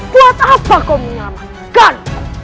buat apa kau menyamankan